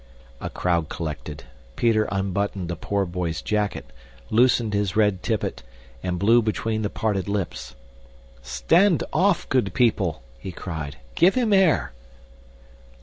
A crowd collected. Peter unbuttoned the poor boy's jacket, loosened his red tippet, and blew between the parted lips. "Stand off, good people!" he cried. "Give him air!"